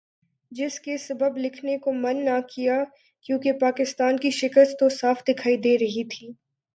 جس کے سبب لکھنے کو من نہ کیا کیونکہ پاکستان کی شکست تو صاف دکھائی دے رہی تھی ۔